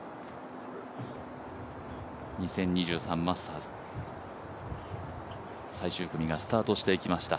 ２０２３マスターズ、最終組がスタートしていきました。